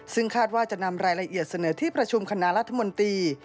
ซึ่งคาดว่าจะนำรายละเอียดเสนอที่ประชุมคณะรัฐมนตรี